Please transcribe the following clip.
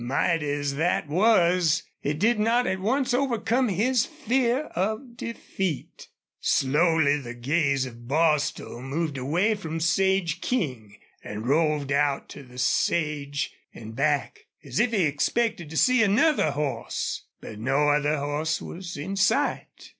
Mighty as that was, it did not at once overcome his fear of defeat. Slowly the gaze of Bostil moved away from Sage King and roved out to the sage and back, as if he expected to see another horse. But no other horse was in sight.